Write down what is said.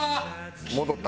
戻った。